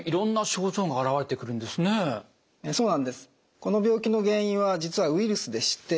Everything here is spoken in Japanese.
この病気の原因は実はウイルスでして。